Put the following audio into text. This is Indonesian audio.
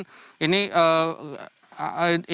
ini mungkin perlu kita lihat kembali